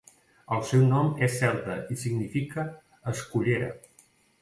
El seu nom és celta i significa 'escullera'.